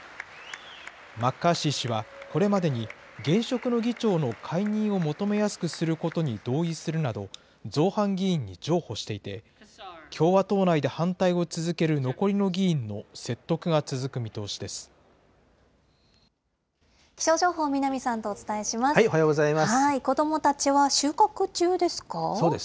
マッカーシー氏はこれまでに現職の議長の解任を求めやすくすることに同意するなど、造反議員に譲歩していて、共和党内で反対を続ける残りの議員の説得が続く見通しです。